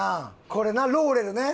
これなローレルね。